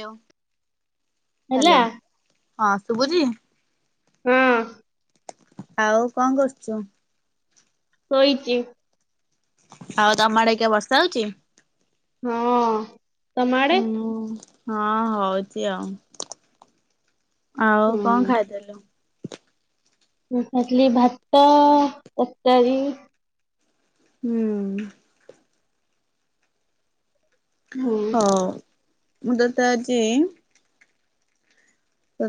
ଲେ ଓ ହେଲା ହାଲୋ ହଁ ଶୁବୁଜି। ହୁଁ। ଆଉ କଣ କରୁଚ। ସୋଇଚି। ଆଉ ତମଆଡେକେ ବର୍ଷା ହଉଚି। ହୁଁ। ହୁଁ ହଁ ହଉ। [inaudible] ଆଉ ହଁ କଣ ଖାଇଥିଲୁ? ମୁଁ ଖାଇଥିଲି ଭାତ, ତରକାରୀ। ହୁଁ। ହୁଁ। ହଉ ମୁଁ ତତେ ଆଜି।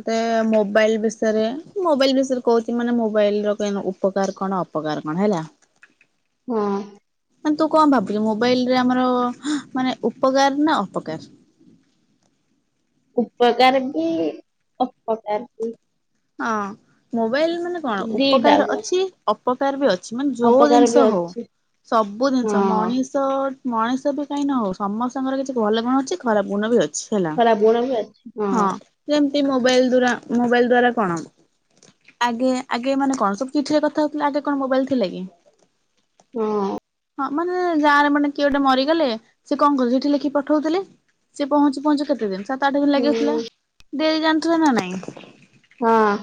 ତତେ ମୋବାଇଲ ବିଷୟରେ ମୋବାଇଲ ବିଷୟରେ କହୁଛି ମାନେ ମୋବାଇଲ ର ଉପକାର କଣ ଅପକାର କଣ ହେଲା। ହଁ। ମାନ ତୁ କଣ ଭାବୁଛୁ ମୋବାଇଲ ରେ ଆମର ମାନେ ଉପକାର ନା ଅପକାର। ଉପକାର ବି ଅପକାର ବି ହଁ ମୁଁ। ମୋବାଇଲ ମାନେ କଣ ଦିଟା ଉପକାର କ ଅଛି। ଉପକାର ବି ଅ ମାନେ ଯୋଉ ଅପକାର ବି ଜିନିଷ ହଉ ଅଛି ସବୁ ଜିନିଷ ହଁ ମଣିଷ। ମଣିଷ ବି କାହିଁ ନ ହଉ ସମସ୍ତଙ୍କର କିଛି ଭଲ ଗୁଣ ଅଛି ଖରାପ ଗୁଣ ବି ଅଛି। ହେଲା ଖରାପ ଗୁଣ ବି ଅଛା ହଁ। ମୋବାଇଲ ଦ୍ୱାରା ମୋବାଇଲ ଦ୍ୱାରା। କଣ ଆଗେ ଆଗେ ମାନେ କଣ ସବୁ ଚିଠିରେ କଥା ହଉଥିଲା ଆଗେ କଣ ମୋବାଇଲ ଥିଲା କି? ହଁ ହଁ ମାନେ ଗାଁରେ ମାନେ କିଏ ଗୋଟେ ମରିଗଲେ ସେିଏ କଣ କରୁ ସେଠି ଲେଖି ପଠଉଥିଲେ ସିଏ ପହଞ୍ଚୁ ପହଞ୍ଚୁ କେତେ ଦିନ? ସାତ ଆଠ ଦିନ ଲାଗିଯାଉଥିଲା। ହୁଁ ଡେରି ଜାଣିୁଥିଲେ ନା ନାଇଁ। ହଁ।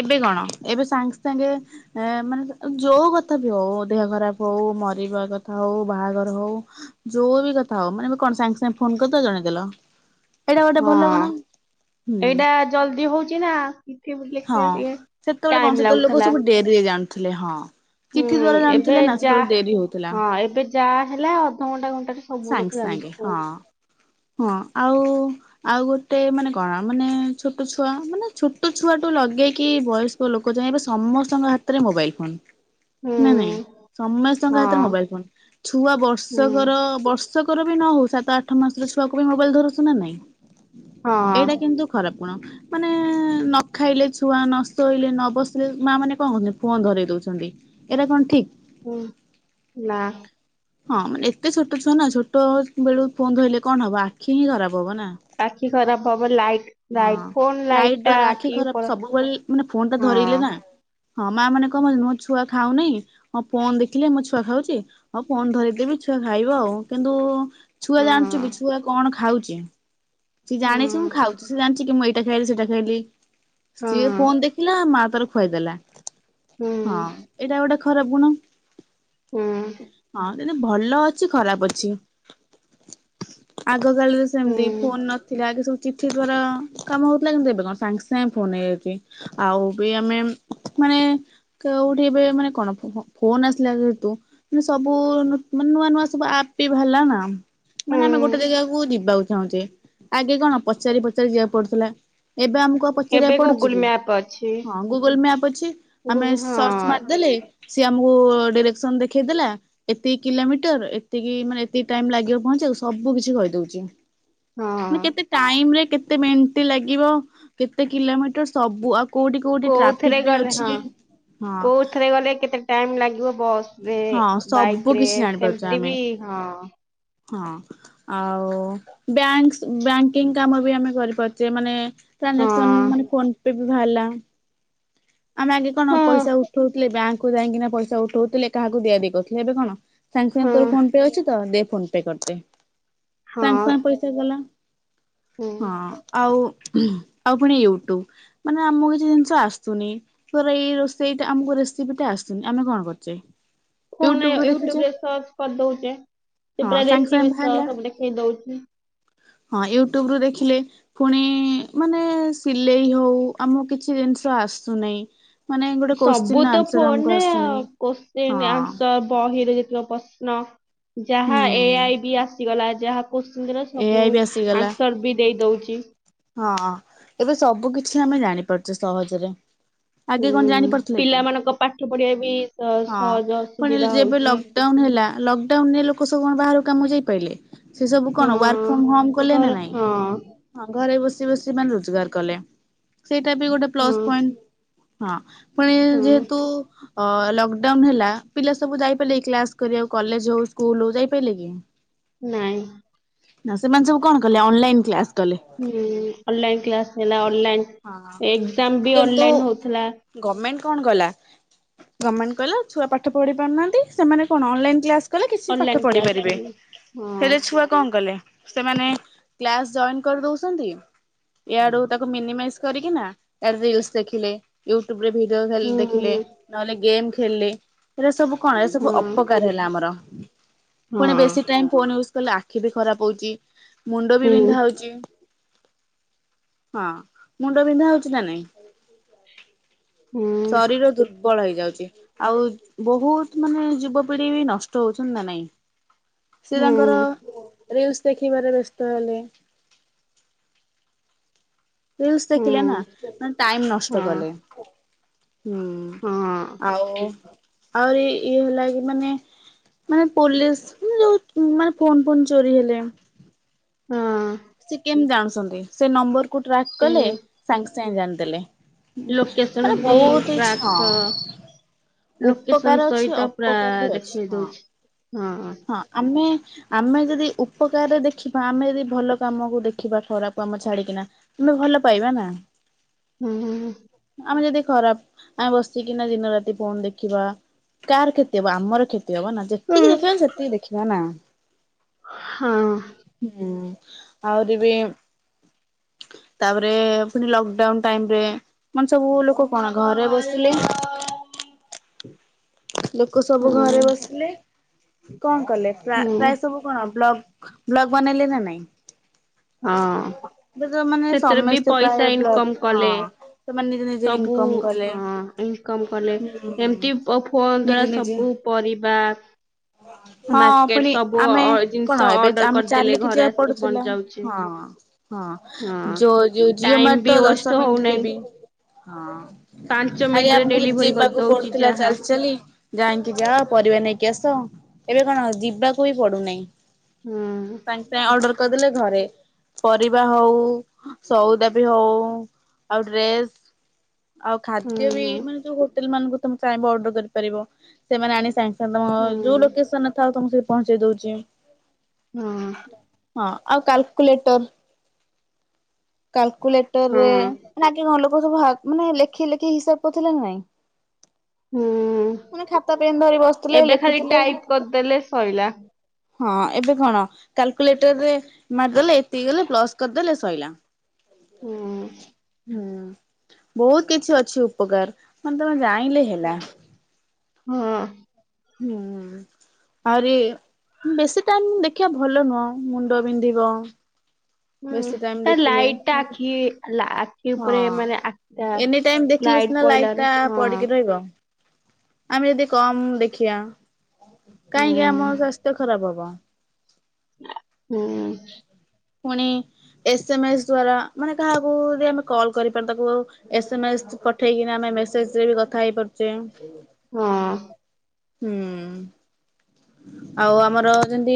ଏବେ କଣ ଏବେ ସାଙ୍ଗେ ସାଙ୍ଗେ ଏ ମାନେ ଯୋଉ କଥା ବି ହଉ ଦେହ ଖରାପ ହଉ ମରିବା କଥା ହଉ ବାହାଘର ହଉ, ଯୋଉ ବି କଥା ହଉ ମାନେ କଣ ସାଙ୍ଗେ ସାଙ୍ଗେ ଫୋନ କରିଦବା ଜଣେଇଦେଲ। ଏଇଟା ଗୋଟେ ହଁ ଭଲ ଗୁଣ ହୁଁ ଏଇଟା ଜଲଦି ହଉଛି ନା। ହଁ ଲେଖିବା ଟିକେ ସେତେବେଳେ କଣ ଟାଇମ ସେତେବେଳେ ଲୋକ ଲାଗୁଥିଲା ସବୁ ଡେରିରେ ଜାଣନ୍ତି। ଥିଲେ ହଁ। ହୁଁ ଚିଠି ଦଵାରା ଏବେ ଜାଣିୁଥିଲେ ନା ଯା ସେତେବେଳେ ଡେରି ହଉଥିଲା ହଁ ଏବେ ଯାହା ହେଲା ଅଧଘଣ୍ଟା ଘଣ୍ଟାରେ ସବୁ ସାଙ୍ଗେ ଲୋକ ସାଙ୍ଗେ ଜାଣି ହଁ ହଁ ଆଉ। ଆଉ ଗୋଟେ ମାନେ କଣ ମାନେ ଛୋଟ ଛୁଆ ମାନେ ଛୋଟ। ଛୁଆ ଟୁ ଲଗେଇକି ବୟସ୍କ ଲୋକ ଯାଏ ଏବେ ସମସ୍ତଙ୍କ ହାତରେ ମୋବାଇଲ ଫୋନ ହୁଁ ନାଇ ନାଇଁ ସମସ୍ତଙ୍କ ହାତରେ ହଁ ମୋବାଇଲ ଫୋନ ଛୁଆ ହୁଁ ବର୍ଷକର ବର୍ଷ ବର୍ଷକର ବି ନ ହଉ ସାତ ଆଠ ମାସରେ ଛୁଆକୁ ବି ମୋବାଇଲ ଧରସୁ ନା ନାଇଁ ହଁ ଏଇଟା କିନ୍ତୁ ଖରାପ କଣ ମାନେ ଖାଇଲେ ଛୁଆ ନଷ୍ଟ ହେଇଲେ ନ ବସିଲେ ମା ମାନେ କଣ କୁନ୍ତି ଫୋନ ଧରଇ ଦଉଛନ୍ତି ଏଇଟା କଣ ଠିକ? ହୁଁ ନା। ହଁ ମାନେ ଏତେ ଛୋଟ ଛୁଆ ନା ଛୋଟ ବେଳୁ ଫୋନ୍ ଧୋଇିଲଲେ କଣ ହବ ଆଖି ହିଁ ଖରାପ ହବ ନା। ଆଖି ଖରାପ ହବ। ଲାଇଟ ଲାଇଟ ହଁ ଫୋନ୍ ଲାଇଟ ଲାଇଟ୍ ଟା ଦ୍ଵାରା ଆଖି ଖରାପ ଉପ ସବୁବେଳେ ମାନେ ଫୋନ ଟା ହଁ। ଧରେଇଲେ ନା ହଁ ମା ମାନେ କଣ ଭାବନ୍ତି, ମୋ ଛୁଆ ଖାଉନହିଁ ହଁ ଫୋନ୍ ଦେଖିଲେ ମୋ ଛୁଆ ଖାଉଛି। ହଁ ଫୋନ୍ ଧରେଇଦେବି ଛୁଆ ଖାଇବ ଆଉ। କିନ୍ତୁ ଛୁଆ ଜାଣୁଛି ହଁ କି ଛୁଆ କଣ ଖାଉଛି। ଆଞା। ସି ଜାଣିଛି ମୁଁ ହଁ ଖାଉଛି ସେ ଜାଣିଛି ମୁ ଏଇ ଏଟା ଖାଇଲି ସେଟା ଖାଇଲି। ସିଏ ହଁ ଫୋନ ଦେଖିଲା ମା ତାର ଖୁଆଇଦେଲା। ହୁଁ ହଁ ଏଇଟା ଗୋଟେ ଖରାପ ଗୁଣ। ହୁଁ। ହ ଯେ ଭଲ ଅଛି ଖରାପ ଅଛି। [inaudible] ଆ ଗକାଳରେ ସେମିତି ହୁଁ ଫୋନ ନଥିଲା। କି ସବୁ ଚିଠି ଦ୍ଵାରା କାମ ହଉଥିଲା। କିନ୍ତୁ ଏବେ କଣ ସାଙ୍ଗେ ସାଙ୍ଗେ ଫୋନ ହେଇଯାଉଛି। ଆଉ ବି ଆମେ ମାନେ କୋଉଠି ଏବେ ମାନେ କଣ ଫୋନ ଆସିଲା ଯେହେତୁ। ସବୁ ମାନେ ନୂଆ ନୂଆ ସବୁ ଆପ୍ ବି ବାହାରିଲ ନା। ମାନେ ଆମେ ଗୋଟେ ହୁଁ ଜାଗାକୁ ଯିବା ଉଚି ଚାହୁଁଚେ ଆଗେ କଣ ପଚାରି ପଚାରି ଯିବାକୁ ପଡୁଥିଲା। ଏବେ ଆମକୁ ଆ ଏବେ ପଚାରିବାକୁ ପଡୁଛି ଗୁଗୁଲ କି। ମ୍ୟାପ୍ ଅଛି ହଁ ଗୁଗଲ ମ୍ୟାପ ଅଛି ଗୁ ଆମେ ହଁ ସର୍ଚ୍ଚ ମାରିଦେଲେ। ସିଏ ଆମକୁ ଡିରେକ୍ସନ ଦେଖେଇ ଦେେଲା। ଏତିକ କିଲୋମିଟର ଏତିକି ମାନେ ଏତିକି ଟାଇମ ଲାଗିବ ପହଞ୍ଚିବାକୁ ସବୁ କିଛି କହିଦଉଛି। ମାନେ ହଁ କେତେ ଟାଇମ ରେ କେତେ କେତେ ମେଣ୍ଟ୍ ଲାଗିବ କେତେ କିଲୋମିଟର ସବୁ। ଆଉ କୋଉଠି କୋଉଠି ଟ୍ରାଫିକ କୋଉଥିରେ ବି ଗଲେ ଅଛି ହଁ ହଁ କୋଉଥିରେ ଗଲେ କେତେ ଟାଇମ ଲାଗିବ। ବସ ରେ ହଁ ସବୁ ବାଇକ ରେ କିଛି ଜାଣିପାରୁଛେ ସେମତି ଆମେ ବି ହଁ। ହଁ ଆଉ ବ୍ୟାଙ୍କସ୍ ବ୍ୟାଙ୍କିଙ୍ଗ କାମ ବି ଆମେ କରିପାରୁଛେ। ମାନେ ହଁ ଟ୍ରାଞ୍ଜାକ୍ସନ ମାନେ ଫୋନ ପେ ଭଲ। ଆମେ ଆଗେ କଣ ହଁ ପଇସା ଉଠଉଥିଲେ ବ୍ୟାଙ୍କ କୁ ଯାଇକିଣା ପଇସା ଉଠାଉଉଥିଲେ। କାହାକୁ ଦିଆଦୁଇ କରୁଥିଲେ। ଏବେ କଣ? ସାଙ୍ଗେ ହଁ ସାଙ୍ଗେ ତୋର ଫୋନ୍ ପେ ଅଛି ତ ଦେ। ଫୋନ ପେ କରିଦେ। ସାଙ୍ଗେ ହଁ ସାଙ୍ଗେ ପଇସା ଗଲା। ହଁ ହୁଁ ଆଉ। ଆଉ ପୁଣି ୟୁଟ୍ୟୁବ ମାନେ ଆମକୁ କିଛି ଜିନିଷ ଆସୁନି। ତର ଏଇ ରୋଷେଇ ଆମକୁ ରେସିପି ଟା ଆସୁନି ଆମେ କଣ କରୁଛେ। ଫୋନ ୟୁଟ୍ୟୁବ ରୁ ଦେଖୁଛେ ୟୁଟ୍ୟୁବରେ ସର୍ଚ୍ଚ କରିଦଉଛେ ସେ ହଁ ପୁରା ସାଙ୍ଗେ ସାଙ୍ଗେ ରେସିପି ବାହାରିଲା ସହ ସବୁ ଦେଖେଇ ଦଉଛି। ହଁ ୟୁଟ୍ୟୁବ ରୁ ଦେଖିଲେ ଫୁଣି ଇ- ମାନେ ସିଲେଇ ହଉ ଆମକୁ କିଛି ଜିନିଷ ଆସୁନେଇ। ସବୁ ତ ଫୋନରେ ଆ- ହଁ କୋଶ୍ଚିନ୍ ଆନ୍ସର। ବହିର ଯେତଲ ପ୍ରଶ୍ନ। ଯାହା ଏ ହୁଁ ଆଇ ବି ଆସିଗଲା। ଯାହା କୋଶ୍ଚିନର ସବୁ ଏଆଇ ବି ଆସିଗଲା ଆନ୍ସର ବି ଦେଇ ଦଉଛି। କି? ହଁ ଏବେ ସବୁ କିଛି ଆମେ ଜାଣିପାରୁଛେ ସହଜରେ। ଆଗେ ହୁଁ କଣ ଜାଣିପାରୁଥିଲେ କି? ପିଲାମାନଙ୍କ ପାଠ ପଢିବା ବି ହଁ ପୁଣି ସହ-ସହଜସୁବିଧା ଯେବେ ହଉଛି। ଲକଡାଉନ ହେଲା ଲକଡାଉନ ରେ ଲୋକ ସବୁ କଣ ବାହାରକୁ କାମକୁ ଯାଇପାରିଲେ? ସେ ସବୁ କଣ ୱାର୍କ ଫ୍ରମ ହୋମ ହଁ କଲେ ନା ଘରେ ନାଇଁ? ହଁ ହଁ। ଘରେ ବସି ବସି ମାନେ ରୋଜଗାର କଲେ। ସେଇଟା ବି ଗୋଟେ ପ୍ଲସ ହଁ ପଏଣ୍ଟ। ହଁ। ପଣିଏଁ- ହଁ ଯେହେତୁ ଅ ଲକ୍ଡାଉନ ହେଲା ପିଲା ସବୁ ଯାଇପାରିଲେ କି କ୍ଲାସ କରିଆକୁ କଲେଜ ହଉ ସ୍କୁଲ ହଉ ଯାଇପାରିଲେ କି? ନାଇଁ। ନା ସେମାନେ ସବୁ କଣ କଲେ ଅନଲାଇନ କ୍ଲାସ କଲେ। ହମ୍ ଅନଲାଇନ୍ କ୍ଲାସ ହେଲା। ଅନଲାଇନ୍ ହଁ ଏଗଜାମ ବି କିନ୍ତୁ ଅନଲାଇନ୍ ହଉଥିଲା। ଗଭର୍ଣମେଣ୍ଟ କଣ କଲା ଗଭମେଣ୍ଟ କହିଲା ଛୁଆ ପାଠ ପଢ଼ିପରୁନାହାନ୍ତି ସେମାନେ କଣ ଅନଲାଇନ କ୍ଲାସ କଲେ କିଛି ପାଠ ଅନଲାଇନ ପଢି କ୍ଲାସ ପାରିବେ କରିବି ହଁ ହେଲେ ଛୁଆ କଣ କଲେ। ସେମାନେ କ୍ଲାସ ଜଏନ୍ କରିଦଉଛନ୍ [unintelligible] ଏୟାଡୁ ତାକୁ ମିନିମାଇଜ କରିକି ନା ତା ରିଲସ ଦେଖିଲେ ୟୁଟୁବ ଭିଡିଓ ଖାଲି ହୁଁ ଦେଖିଲେ ହୁଁ ନ ହେଲେ ଗେମ୍ ହେଲେ। ଏସବୁ କଣ ଏ ସବୁ ହଁ ଅପକାର ହେଲା ଆମର। ପୁଣି ବେଶୀ ଟାଇମ୍ ଫୋନ୍ ୟୁସ୍ କହିଲେ ଆଖି ବି ଖରାପ ହଉଛି ମୁଣ୍ଡ ହଁ ବି ହୁଁ ବିନ୍ଧା ହଉଛି! ହଁ ମୁଣ୍ଡ ବିନ୍ଧା ହଉଛି ନା ନାଇଁ? ହୁଁ ଶରୀର ଦୁର୍ବ ଦୁର୍ବଳ ହେଇଯାଉଛି ଆଉ ବହୁତ ମାନେ ଯୁବପିଢି ବି ନଷ୍ଟ ହଉଛନ୍ତି ନା ନାଇଁ ସେ ତାଙ୍କର ହୁଁ ରିସ ଦେଖିବାରେ ବ୍ୟସ୍ତ ହେଲେ ରିଲ୍ସ ହୁଁ ଦେଖିଲେ ନା ମେ ଟାଇମ ନଷ୍ଟ ହଁ କଲେ, ହଁ ହୁଁ ଆଉ। ଆହୁରି ଇଏ ହେଲା କି ମାନେ ମାନେ ପୋଲିସ ମାନ ଯୋଉ ମାନେ ଫୋନ ଫୁନ୍ ଚୋରି ହେଲେ, ହଁ। ସେ କେମିତି ଜାଣୁଛନ୍ତି ସେ ନମ୍ବର ଟ୍ରାକ୍ ଏ କଲେ ସାଙ୍ଗ ସେ ଜାଣିଥିଲେ। ଲୋକେସନ ମ ବି ବହୁତ ଟ୍ରାକ୍ ଇଛା ସହ ହଁ ଲୋକେସନ ଉପକାର ସହିତ ଅଛି ପୁରା ଅପକାର ବି ଅଛି ଦେଖେଇ ହଁ। ଦଉଛି। ହଁ ଆମେ। ଆମେ ଯଦି ଉପକାରରେ ଦେଖିବା ଆମେ ଯଦି ଭଲ କାମକୁ ଦେଖିବା ଖରାକୁ ଆମେ ଛାଡିକିନା ତମେ ଭଲ ପାଇବା ନା। ହୁଁ। ଆମେ ଯଦି ଖରାପ ଆମେ ବସିକିନା ଦିନ ରାତି ଫୋନ୍‌ ଦେଖିବା କାହାର କ୍ଷତି ହେବ ଆମର କ୍ଷତି ହବ ନା ହୁଁ ଯେତିକି ଦେଖିବା ଦେଖିବା ନା। ହଁ। ହୁଁ ଆହୁରି ବି ତାପରେ ପୁଣି ଲକଡାଉନ ଟାଇମରେ କାନ ସବୁ ଲୋକ କଣ ଘରେ ବସଥିଲେ [unintelligible] ଲୋକ ସବୁ ହୁଁ ଘରେ ବସିଲେ କଣ କଲେ ହୁଁ ପ୍ରାୟ ସବୁ କଣ ବ୍ଲଗ୍ ବ୍ଲଗ ବନେଇଲେ ନା ନାଇଁ। ହଁ ଏବେ ତ ମାନେ ସେଥିରେ ବି ସମସ୍ତେ ପ୍ରାୟ ପଇସା ବ୍ଲଗ ଇନକମ କଲେ ହଁ ସେମାନେ ନିଜେ ନିଜେ ସବୁ ଇନକମ କଲେ। ହଁ ଇନକମ କଲେ ହୁଁ ଏମତି ନିଜେ ନିଜେ ହଁ ମାର୍କେଟ ପୁଣି ସବୁ ଆମେ ଅ- କଣ ଜିନିଷ ଏବେ ଅର୍ଡର ଆମେ କରିଦେଲେ ଚାଲିକି ଘରେ ଯିବାକୁ ଆସିକି ପହଞ୍ଚି ପଡୁଥିଲା ଯାଉଛି ହଁ ହଁ ଯଉ ଯଉ ଝିଅ ଟାଇମ ମାର ବି ତ ୱେଷ୍ଟ ଦଶ ମିନିଟ ହଉନାହିଁ ରେବି ହଁ। ପାଞ୍ଚ ଆ୍ ମିନିଟରେ ଆମକୁ ଡେଲିଭରି ଯିବାକୁ କରିଦଉଛି ପଡୁଥିଲା ଯାହା ଚାଲି ଚାଲି ଧାଇଁକି ଯା ପରିବା ନେଇକି ଆ ଆସ ଏବେ କଣ ଯିବାକୁ ବି ପଡୁନାହିଁ। ହୁଁ ସାଙ୍ଗେ ସାଙ୍ଗେ ଅର୍ଡର କରିଦେଲେ ଘରେ, ପରିବା ହଉ, ସଉଦା ବି ହଉ, ଆଉ ଡ୍ରେସ୍ ଆଉ ହୁଁ ଖାଦ୍ୟ ବି ମାନେ ଯୋଉ [inaudible] ମାନଙ୍କୁ ତମେ ଚାହିଁବ ଅର୍ଡର କରି [inaudible] ପାରିବ, ସେମାନେ ଆଣି ସାଙ୍ଗ୍ ତମଅ-ଅ ହୁଁ ଯୋଉ ଲୋକେସନରେ ଥାଉ ତମକୁ ସେଠି ପହଞ୍ଚେଇ ଦଉଛି। ହଁ ଅଁ। ହଁ ଆଉ କାଲକୁୁଲେଟର୍ କାଲ୍ ହଁ କୁଲେଟରରେ ମାନେ ଆଗେ କଣ ଲୋକ୍ ମାନେ ସବୁ ହା [inaudible] ମାନେ ଲେଖି ଲେଖି ହିସାବ କରୁଥିଲେ ନା ନାଇଁ? ହୁଁଉଁ-ଉଁ-ଉଁ ମାନେ ଖାତା ପେନ୍ ଧରି ବସୁଥିଲେ ଏବେ ଖାଲି ଲେଖୁଥିଲେ। ଟାଇପ୍ କରିଦେଲେ ସଇଲା। ହଁ ଏବେ କଣ କାଲକୁଲେଟରରେ ମାରିଦେଲେ ଏତିକି ଗଲେ ପ୍ଲସ୍ କରିଦେଲେ ସଇଲା। ହୁଁ। ହୁଁ, ବହୁତ କିଛି ଅଛି ଉପକାର ମାନେ ତମେ ଜାଇଁଲେ ହେଲା। ହଁଅ-ଅ। ହୁଁଉଁ-ଉଁ, ଆହୁରି ବେଶୀ ଟାଇମ୍ ଦେଖିବା ଭଲ ନୁହଁ ମୁଣ୍ଡ ବିନ୍ଧିବ। ହୁଁ ବେଶୀ ଟାଇମ ତା ଦେଖିଲେ ଲାଇଟଟା ଆଖି ଲା ହଁ ଉପରେ ମାନେ ଆଖିଟା ଏନି ଟାଇମ୍ ଦେଖିଲେ ଲାଇଟ୍ ସିନା ପଇଲାରୁ ଲାଇଟଟା ହଁ ପଡିକି ରହିବ। ଆମେ ଯଦି କମ୍ ଦେଖିବା ହୁଁ କାହିଁକି ଆମ ସ୍ୱାସ୍ଥ୍ୟ ଖରାପ ହବ। କଅଁ ହୁଁ। ପୁଣି ଏସ୍ ଏମ୍ ଏସ୍ ଦ୍ଵାରା ମାନେ କାହାକୁ ଯଦି ଆମେ କଲ୍ କରିପାରୁ ତାକୁ ଏସ ଏମ ଏସ୍ ପଠେଇକିନା ଆମେ ମେସେଜରେ ବି କଥା ହେଇ ପାରୁଛେ। ହଁ। [inaudible] ହୁଁ। ଆଉ ଆମର ଯେମିତି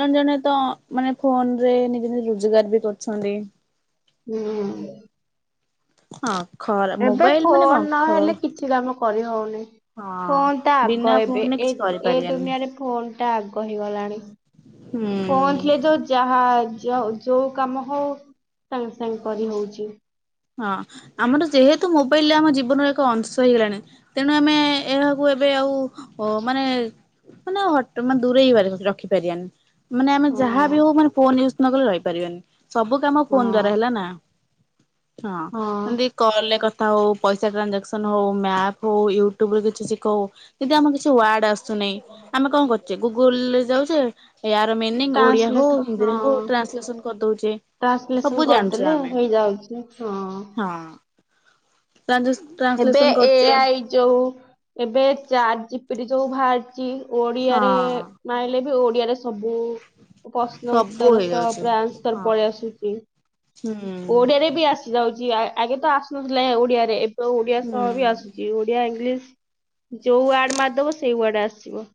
ଜଣେ ଜଣେ ତ ମାନେ ଫୋନରେ ନିଜେ ନିଜେ ରୋଜଗାର ବି କରୁଛନ୍ତି। ହୁଁ। ହଁ। ଖରା ଏବେ ମୋବାଇଲ ମାନେ କଣ ଫୋନ ଖ ନହେଲେ କିଛି କାମ କରିହଉନି ହଁ ଫୋନ୍ ଟା ଆଗ ବିନା ଏବେ ଫୋନରେ ଏ କିଛି ଏଇ କରିପାରିବାନି ଦୁନିଆରେ ଫୋନ୍ ଟା ଆ କହିଗଲାଣି ଫୋନ୍ ହୁଁ। ଥିଲେ ଯୋଉ ଯାହା ଯ ଯୋଉ କାମ ହଉ ସାଙ୍ଗେ ସାଙ୍ଗେ କରି ହଉଛି। ହଁ ଆମର ଯେହେତୁ ମୋବାଇଲ ରେ ଆମ ଜୀବନର ଏକ ଅଂଶ ହେଇଗଲାଣି ତେଣୁ ଆମେ ଏହାକୁ ଏବେ ଆଉ ମାନେ ମାନେ ମାନେ ଦୂରେଇ ପାରି ରଖିପାରିବାନି। ମାନେ ଆମେ ହଁ ଯାହାବି ହଉ ମାନେ ଫୋନ୍ ଇଉଜ ନଗଲେ ରହିପାରିବେନି। ସବୁ କାମ ହଁ ଫୋନ୍ ଦ୍ଵାରା ହେଲା ନା। ହଁ ଏମିତି କଲେ କ ହଉ ପଇସା ଟ୍ରାଞ୍ଜାକ୍ସନ ହଉ ମ୍ୟାପ ହଉ ୟୁଟ୍ୟୁବରେ କିଛି ଶିଖଉ ଯଦି ଆମର କିଛି ୱାର୍ଡ ଆସୁନାହିଁ ଆମେ କଣ କରୁଛେ ଗୁଗୁଲ ଯାଉଛେ। ୟାର ମିନିଂ ଓଡିଆ ହଉ ଟ୍ରାନ୍ସଲେଟ ହିନ୍ଦୀରେ ହଉ ହଁ ଟ୍ରାନ୍ସଲେସନ କରିଦଉଛେ ଟ୍ରାନ୍ସଲେସନ ସବୁ ଜାଣିଛୁ କରିଦେଲେ ଆମେ। ହେଇଯାଉଛି ହଁ। ଟ୍ରାଞ୍ଜେସ ଏବେ ଟ୍ରାନ୍ସଲେସନ ଏ କରୁଚେ ଆଇ ଯଉ ଏବେ ଚାର୍ଟ ଜିପିଟି ଯୋଉ ଭାରୀଛି। ଓଡିଆରେ ହଁ ମାଇଲେ ବି ଓଡିଆରେ ସବୁ ପ୍ରଶ୍ନ ସବୁ ଉତ୍ତର ସହ ହେଇଯାଉଚି। ପୁରା ଆନ୍ସର ହଁ ପଳେଇ ଆସୁଛି ହୁଁ ଓଡିଆରେ ବି ଆସି ଯାଉଛି। ଆଗେ ତ ଆସନଥିଲା ଓଡିଆରେ ଏ - ତ ଓଡିଆ ସହ ହୁଁ। ବି ଆସୁଛି ଓଡିଆ ଇଂଲିଶ ଯୋଉ ୱାର୍ଡ ମାରଦବ ସେଇ ୱାର୍ଡ ଆସ ଆସିବ।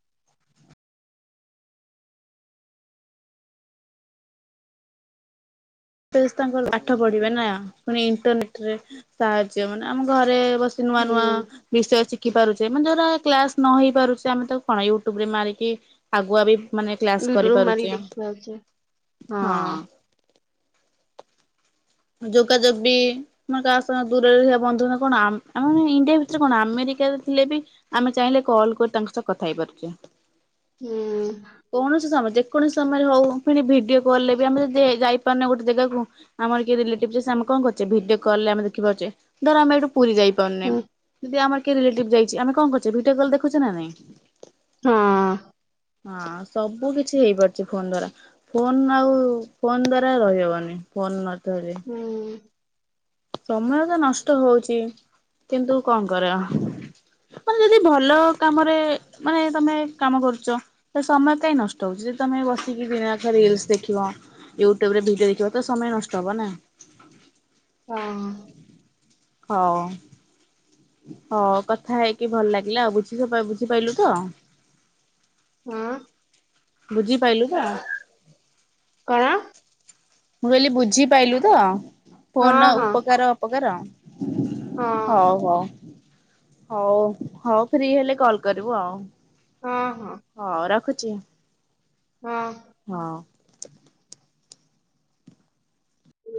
ତାଙ୍କ ପାଠ ପଢିବେ ନା ପୁଣି ଇଣ୍ଟରନେଟରେ ସାହାଯ୍ୟ ମାନେ ଆମ ଘରେ ଅବଶ୍ୟ ନୂଆ ହୁଁ ନୂଆ ବିଷୟ ଶି ଖି ପାରୁଚ ମାନେ ଯୋଉରା କ୍ଲାସ ନ ହେଇ ପାରୁଚେ ଆମେ ତାକୁ କଣ ୟୁଟ୍ୟୁବରେ ମାରିକି ଆଗୁଆ ବି ମାନେ କ୍ଲାସ ୟୁଟ୍ୟୁବ କରିପାରୁଚେ ମାରିକି ଦେଖି ପାରୁଛେ ହଁ ହଁ। ଯୋଗାଯୋଗ ବି ଆମ କାହା ସହ ଦୂରରେ ଥିବା ବନ୍ଧୁର କଣ ଆମ ଆମେ ମାନେ ଇଣ୍ଡିଆ ଭି ସେଥିରେ କଣ ଆମେରିକ ଥିଲେ ବି ଆମେ ଚାହିଁଲେ କଲ୍ କରି ତାଙ୍କ ସହ କଥା ହେଇପାରୁଚେ। ହୁଁ। ସମୟ କୌଣସି ସମୟରେ ହୋଉ ଫୁଣି ଭିଡିଓ କଲ୍ ରେ ବି ଆମେ ଯଦି ଯାଇପାରୁନେ ଗୋଟେ ଜାଗାକୁ ଆମରି କିଏ ରେଲେଟିଭ ଯେ ଆମେ କଣ କରୁଚେ ଭିଡିଓ କଲ୍ ରେ ଆମେ ଦେଖିପାରୁଚେ ଧର ଆମେ ଏଇଠୁ ପୁରି ଯାଇପାରୁନେ ହୁଁ, ଯଦି ଆମରି ରିଲେଟି ଯାଇଛି ଆମେ କଣ କରୁଛେ ଭିଡୁଅ କଲାରେ ଦେଖୁଛେ ନା ନାଇଁ। ହଁ। ହଁ ସବୁ କିଛି ହେଇପାରୁଛି ଫୋନ ଦ୍ଵାରା ଫୋନ ଆଉ ଫୋନ ଦ୍ଵାରା ରହିହବନି ଫୋନ ହୁଁ। ସମୟ ତ ନଷ୍ଟ ହଉଛି କିନ୍ତୁ କଣ କରରେ ମାନେ ଯଦି ଭଲ କାମରେ ମାନେ ତମେ କାମ କରୁଛଲେ ସମୟ ତ ହଁ ନଷ୍ଟ ହଉଛି ଯଦି ତମେ ବସିକି ଦିନେଖ ରିଲସ ଦେଖିବ ୟୁଟ୍ୟୁବ ରେ ଭିଡିଓ ଦେଖିବ ତ ସମୟ ନଷ୍ଟ ହବ ନା। ହଁ। ହଁ। ହଁ କଥା ହେଇକି ଭଲ ଲାଗିଲା ଆଉ ବୁଝି ବୁଝିପାରଲୁ ତ? ହଁ। ବୁଝି ପାଇଲୁ ତ। କଣ ମୁଁ କହିଲି ବୁଝିପଲୁ ତ। ହଁ ଫୋନ ହଁ ଉପକାର ଅପକାର। ହଁ ହଉ ହଉ। ହଉ ହଉ ଫ୍ରି ହେଲେ କଲ କରିବୁ ଆଉ। ହଁ ରଖ। ଆ ଜ୍ଞ। ହଁ। ହଁ।